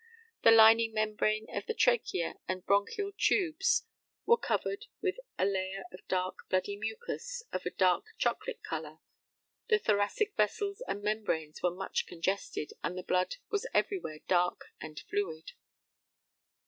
The lining membrane of the trachea and bronchial tubes were covered with a layer of dark bloody mucus of a dark chocolate colour. The thoracic vessels and membranes were much congested, and the blood was everywhere dark and fluid.